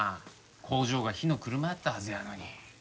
工場が火の車やったはずやのに。